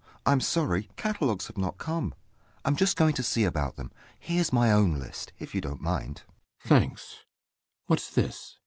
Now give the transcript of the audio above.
I'm sorry catalogues have not come: I'm just going to see about them. Heres my own list, if you dont mind. RIDGEON. Thanks. Whats this?